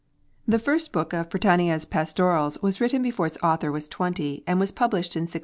The First Book of 'Britannia's Pastorals' was written before its author was twenty, and was published in 1631.